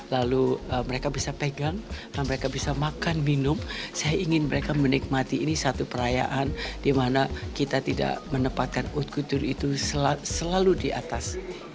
lalu mereka bisa pegang dan mereka bisa makan minum saya ingin mereka menikmati ini satu perayaan di mana kita tidak menempatkan outkutur itu selalu di atas